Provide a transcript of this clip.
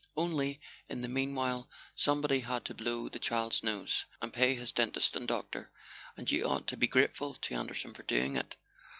Only, in the meanwhile, somebody had to blow the child's nose, and pay his dentist and doctor; and you ought to be grateful to Anderson for doing it.